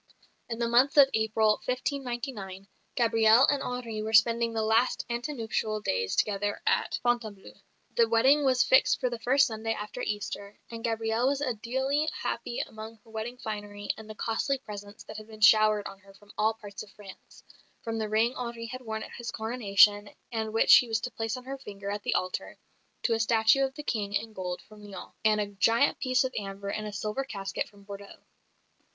In the month of April, 1599, Gabrielle and Henri were spending the last ante nuptial days together at Fontainebleau; the wedding was fixed for the first Sunday after Easter, and Gabrielle was ideally happy among her wedding finery and the costly presents that had been showered on her from all parts of France from the ring Henri had worn at his Coronation and which he was to place on her finger at the altar, to a statue of the King in gold from Lyons, and a "giant piece of amber in a silver casket from Bordeaux."